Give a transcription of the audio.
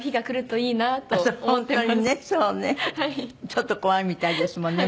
ちょっと怖いみたいですもんね